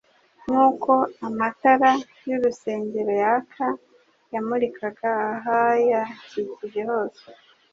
Nk'uko amatara y'urusengero yaka yamurikaga ahayakikije hose,